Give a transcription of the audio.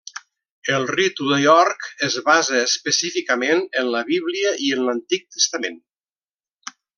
El Ritu de York es basa específicament en la Bíblia i en l'Antic Testament.